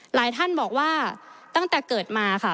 หลายท่านบอกว่าตั้งแต่เกิดมาค่ะ